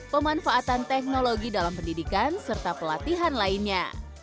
pemanfaatan teknologi dalam pendidikan serta pelatihan lainnya